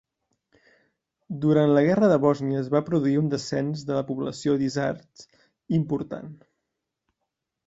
Durant la guerra de Bòsnia es va produir un descens de la població d'isards important.